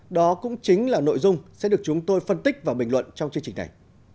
đó cũng chính là nội dung sẽ được chúng tôi phân tích và bình luận trong chương trình này